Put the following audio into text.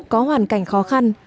có hoàn cảnh khó khăn